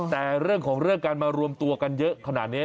แต่เรื่องของเรื่องการมารวมตัวกันเยอะขนาดนี้